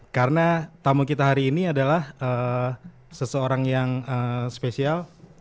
karena tamu kita hari ini adalah seseorang yang spesial